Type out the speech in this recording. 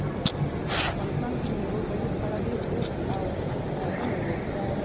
په افغانستان کې د مېوو تاریخ خورا ډېر اوږد او لرغونی دی.